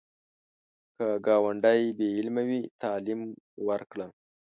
که ګاونډی بې علمه وي، تعلیم ورکړه